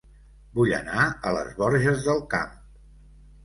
Vull anar a Les Borges del Camp